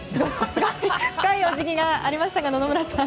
深いお辞儀がありましたが野々村さん。